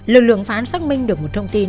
lực lượng phá án xác minh được một thông tin